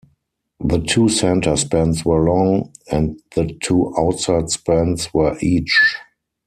The two center spans were long, and the two outside spans were each.